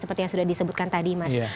seperti yang sudah disebutkan tadi mas